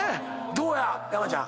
どうや⁉山ちゃん。